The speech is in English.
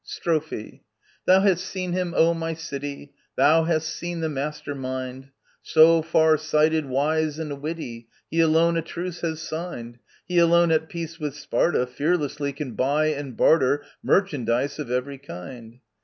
* Strophe. Thou hast seen him, O my city ! Thou hast seen the master mind ! So far sighted, wise, and witty, He alone a truce has signed]! He alone at peace with Sparta, Fearlessly can buy and barter Merchandise of every kind